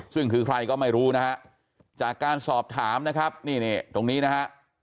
ซึ่งคือใครก็ไม่รู้นะฮะจากการสอบถามนะครับนี่ตรงนี้นะฮะ